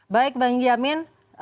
baik bang yamin